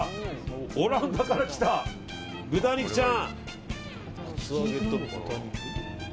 オランダから来た豚肉ちゃん。